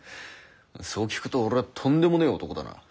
そう聞くと俺はとんでもねぇ男だな。